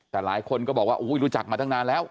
แต่หลายคนก็บอกว่ารู้จักมาตั้งนานแล้ว